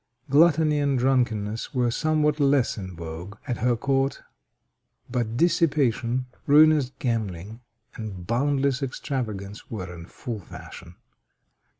Gluttony and drunkenness were somewhat less in vogue at her court, but dissipation, ruinous gambling, and boundless extravagance were in full fashion.